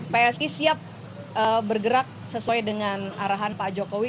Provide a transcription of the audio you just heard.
psi siap bergerak sesuai dengan arahan pak jokowi